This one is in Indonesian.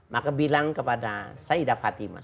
maka bilang kepada saida fatimah